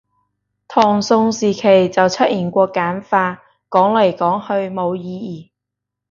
唐宋時期就出現過簡化，講來講去冇意義